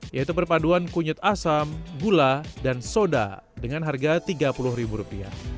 yaitu perpaduan kunyit asam gula dan soda dengan harga rp tiga puluh